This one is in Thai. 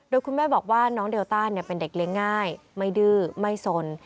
โดยคุณแม่บอกว่าน้องเดลต้าเป็นเด็กเลี้ยงง่ายไม่ดื้อไม่สน